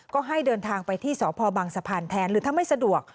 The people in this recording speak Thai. ก็ให้เดินทางไปที่สพบังสะพานแทนหรือถ้าไม่สะดวก